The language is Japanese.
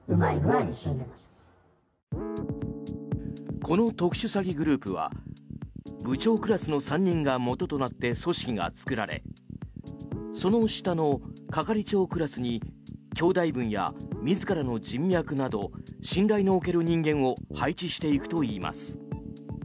この特殊詐欺グループは部長クラスの３人がもととなって組織が作られその下の係長クラスに兄弟分や自らの人脈など信頼の置ける人間を配置していくといいます。